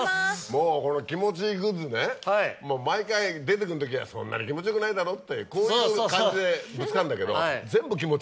もうこの気持ちいいグッズね毎回出てくるときはそんなに気持ちよくないだろってこういう感じで使うんだけど。